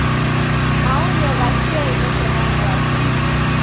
Maonyo gha tee gheko na w'asi.